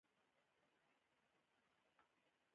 دا ناروغي ډېره خطرناکه وه.